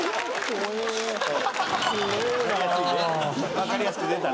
分かりやすく出たね。